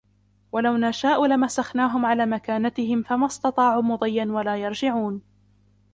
ولو نشاء لمسخناهم على مكانتهم فما استطاعوا مضيا ولا يرجعون